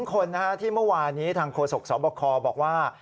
คนที่เมื่อวานนี้ทางโฆษกสบคบอกว่า